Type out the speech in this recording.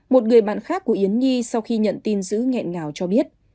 một người bạn khác của yến nhi sau khi nhận tin giữ nghẹn ngào cho biết